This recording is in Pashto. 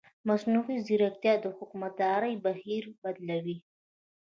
مصنوعي ځیرکتیا د حکومتدارۍ بهیر بدلوي.